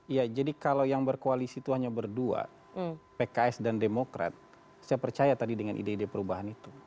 ya jadi kalau yang berkoalisi itu hanya berdua pks dan demokrat saya percaya tadi dengan ide ide perubahan itu